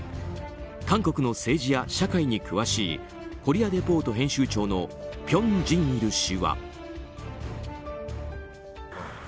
韓国の政治や社会に詳しい「コリア・レポート」編集長の辺真一氏は。